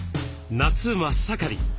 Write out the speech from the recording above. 夏真っ盛り。